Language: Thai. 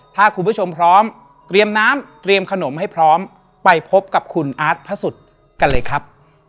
ถ้าคุณผู้ชมพร้อมเตรียมน้ำเตรียมขนมให้พร้อมไปพบกับคุณอาร์ตพระสุทธิ์กันเลยครับ